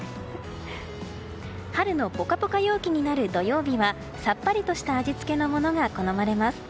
春のポカポカ陽気になる土曜日はさっぱりとした味付けのものが好まれます。